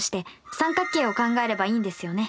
三角形を考えればいいんですよね。